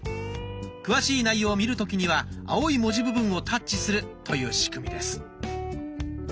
詳しい内容を見る時には青い文字部分をタッチするという仕組みです。